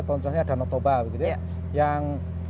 tahun tahunya danau toba gitu ya yang